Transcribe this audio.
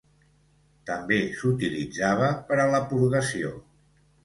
També s'utilitzava per a la purgació.